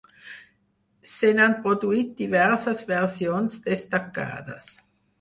Se n'han produït diverses versions destacades.